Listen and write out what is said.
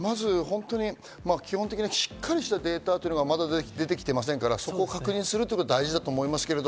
基本的なしっかりしたデータというのがまだ出てきていませんから、そこを確認することが大事だと思いますけど。